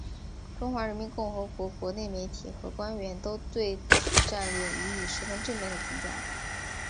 中华人民共和国国内媒体和官员都对此战略予以十分正面的评价。